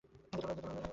Phone থেকে আর কেউ ডাকবেন?